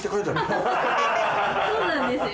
そうなんですよ。